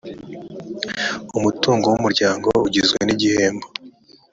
umutungo w umuryango ugizwe n igihembo